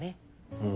うん。